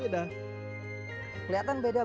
keliatan beda banget karena ini tempe mendoan ya